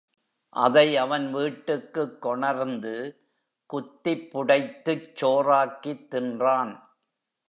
அதை அவன் வீட்டுக்குக் கொணர்ந்து குத்திப் புடைத்துச் சோறாக்கித் தின்றான்.